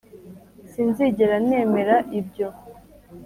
sinzigera nemera ibyo